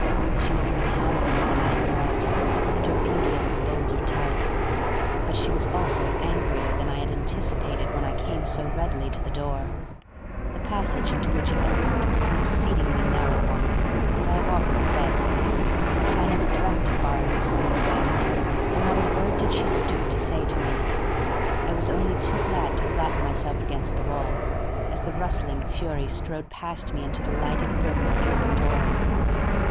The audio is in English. She was even handsomer than I had thought, and her beauty of a bolder type, but she was also angrier than I had anticipated when I came so readily to the door. The passage into which it opened was an exceedingly narrow one, as I have often said, but I never dreamt of barring this woman's way, though not a word did she stoop to say to me. I was only too glad to flatten myself against the wall, as the rustling fury strode past me into the lighted room with the open door.